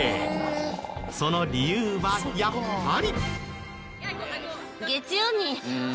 その理由はやっぱり。